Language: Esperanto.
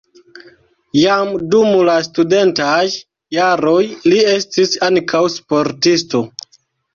Jam dum la studentaj jaroj li estis ankaŭ sportisto.